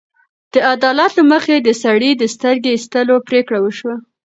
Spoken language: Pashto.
د عدالت له مخې د سړي د سترګې ایستلو پرېکړه وشوه.